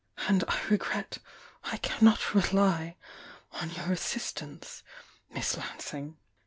"And I regret I cannot rely on your assistance, MiM Lansing!